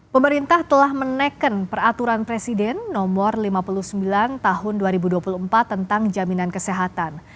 pemerintah telah menekan peraturan presiden nomor lima puluh sembilan tahun dua ribu dua puluh empat tentang jaminan kesehatan